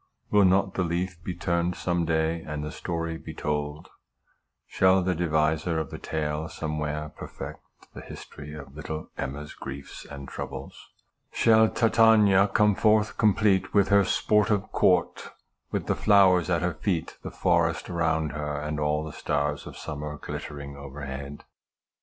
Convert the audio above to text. Will not the leaf be turned some day, and the story be told ? Shall the deviser of the tale somewhere perfect the history of little EMMA'S griefs and troubles? Shall TITANIA come forth complete with her sportive court, with the flowers at her feet, the forest around her, and all the stars of summer glittering overhead